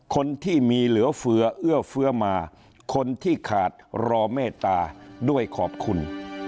คนที่มีเหลือเฟือเอื้อเฟื้อมาคนที่ขาดรอเมตตาด้วยขอบคุณ